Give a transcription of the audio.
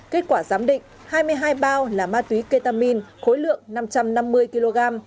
kết quả giám định hai mươi hai bao là ma túy ketamin khối lượng năm trăm năm mươi kg